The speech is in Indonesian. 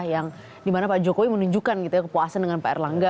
yang dimana pak jokowi menunjukkan kepuasan dengan pak erlangga